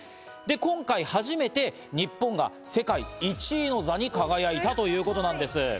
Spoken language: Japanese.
今回初めて日本が世界１位の座に輝いたということなんです。